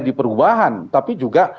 di perubahan tapi juga